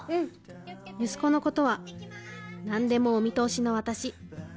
息子のことは何でもお見通しの私